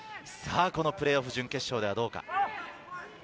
プレーオフ準決勝ではどうか？